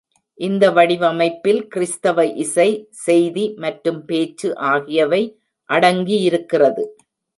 இந்த வடிவமைப்பில் கிறிஸ்தவ இசை, செய்தி மற்றும் பேச்சு ஆகியவை அடங்கியிருக்கிறது.